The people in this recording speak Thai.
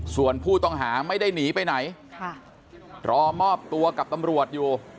ส่วนผู้ต้องหาไม่ได้หนีไปไหนรอมอบตัวกับตำรวจอยู่